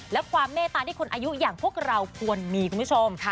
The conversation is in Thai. และความเมตตาที่คนอายุอย่างพวกเราควรมีคุณผู้ชม